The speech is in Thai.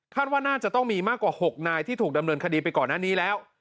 ว่าน่าจะต้องมีมากกว่า๖นายที่ถูกดำเนินคดีไปก่อนหน้านี้แล้ว